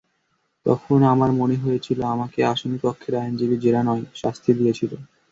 তখন আমার মনে হয়েছিল, আমাকে আসামিপক্ষের আইনজীবী জেরা নয়, শাস্তি দিয়েছিল।